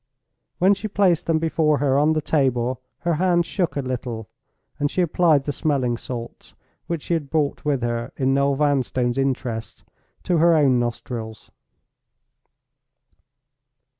When she placed them before her on the table, her hand shook a little; and she applied the smelling salts, which she had brought with her in Noel Vanstone's interests, to her own nostrils.